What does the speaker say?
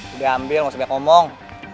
udah ambil gak usah ngomong